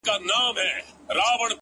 د رژېدلو باڼوگانو سره مينه لري;